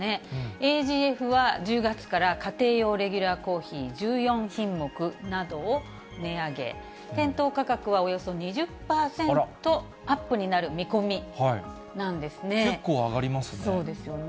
ＡＧＦは１０月から家庭用レギュラーコーヒー１４品目などを値上げ、店頭価格はおよそ２０％アップになる見込みなんですね。